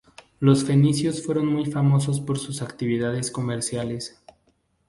Los fenicios fueron muy famosos por sus actividades comerciales.